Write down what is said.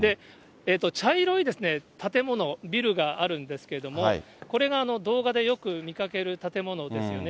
茶色い建物、ビルがあるんですけれども、これが動画でよく見かける建物ですよね。